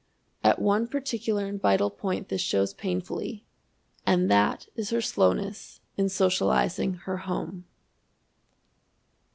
At one particular and vital point this shows painfully, and that is her slowness in socializing her home.